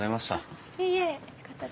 あっいいえよかったです。